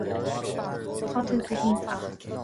Tá tú go hiontach.